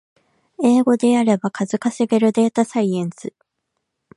英語でやれば数稼げるデータサイエンス